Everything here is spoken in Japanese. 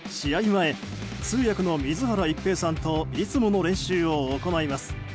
前、通訳の水原一平さんといつもの練習を行います。